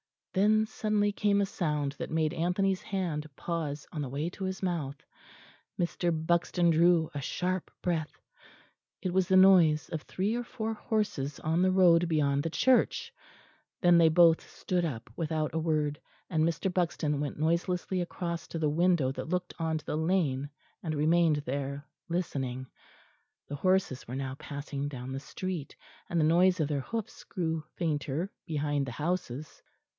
Then suddenly came a sound that made Anthony's hand pause on the way to his mouth; Mr. Buxton drew a sharp breath; it was the noise of three or four horses on the road beyond the church. Then they both stood up without a word, and Mr. Buxton went noiselessly across to the window that looked on to the lane and remained there, listening. The horses were now passing down the street, and the noise of their hoofs grew fainter behind the houses.